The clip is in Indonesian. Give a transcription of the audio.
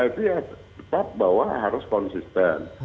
itu ya tetap bahwa harus konsisten